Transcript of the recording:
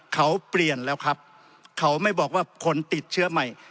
เขาเปลี่ยนแล้วครับเขาไม่บอกว่าคนติดเชื้อใหม่